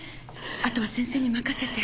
あとは先生に任せて。